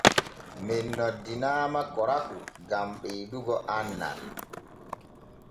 Men noddinaama korakou gan ɓeedugo annal.